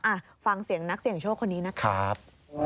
อ่ะฟังเสียงนักเสี่ยงโชคคนนี้นะครับ